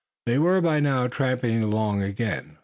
They were by now tramping along again.